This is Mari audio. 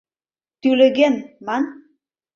Тӱлеген, ман!